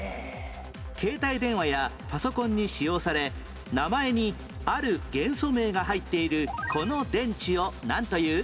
携帯電話やパソコンに使用され名前にある元素名が入っているこの電池をなんという？